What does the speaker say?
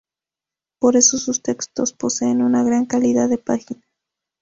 Por eso sus textos poseen una gran calidad de página.